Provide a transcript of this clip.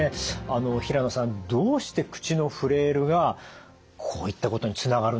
あの平野さんどうして口のフレイルがこういったことにつながるんですか？